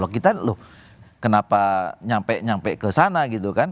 kita loh kenapa nyampe nyampe ke sana gitu kan